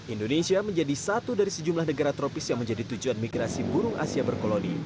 indonesia menjadi satu dari sejumlah negara tropis yang menjadi tujuan migrasi burung asia berkoloni